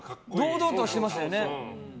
堂々とはしてましたよね。